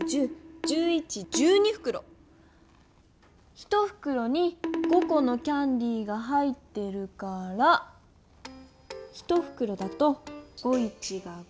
１ふくろに５コのキャンディーが入ってるから１ふくろだと５×１が５。